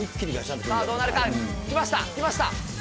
さあ、どうなるか。来ました、来ました。